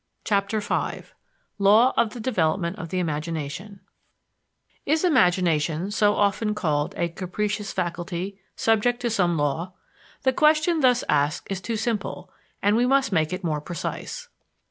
CHAPTER V LAW OF THE DEVELOPMENT OF THE IMAGINATION Is imagination, so often called "a capricious faculty," subject to some law? The question thus asked is too simple, and we must make it more precise.